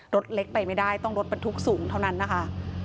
รถเล็กไปไม่ได้ต้องรถบรรทุกสูงเท่านั้นนะคะ